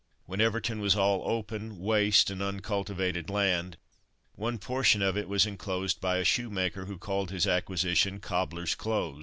When Everton was all open, waste, and uncultivated land, one portion of it was enclosed by a shoemaker who called his acquisition "Cobbler's Close."